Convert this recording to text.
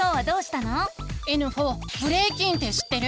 えぬふぉブレイキンって知ってる？